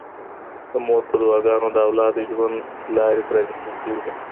د مور په دعاګانو د اولاد د ژوند لارې پرانیستل کيږي.